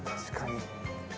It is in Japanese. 確かに。